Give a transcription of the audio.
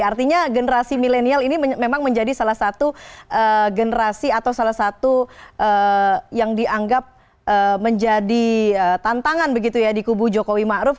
artinya generasi milenial ini memang menjadi salah satu generasi atau salah satu yang dianggap menjadi tantangan di kubu jokowi kiemakruf